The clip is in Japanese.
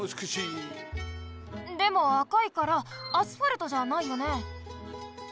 でも赤いからアスファルトじゃないよね？